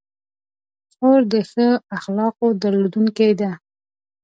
خور د ښو اخلاقو درلودونکې ده.